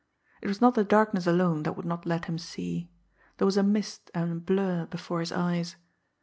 It was not the darkness alone that would not let him see there was a mist and a blur before his eyes.